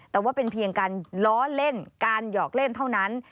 แต่ว่าเป็นเพียงการล้อเล่นการหยอกเล่นเท่านั้น